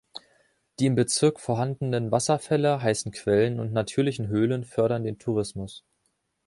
Die im Bezirk vorhandenen Wasserfälle, heißen Quellen und natürlichen Höhlen fördern den Tourismus.